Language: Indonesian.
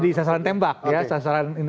jadi sasaran tembak ya sasaran ini